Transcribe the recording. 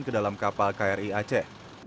ke dalam kapal kri aceh